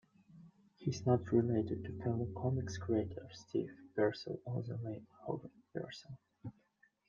He is not related to fellow comics-creators Steve Purcell or the late Howard Purcell.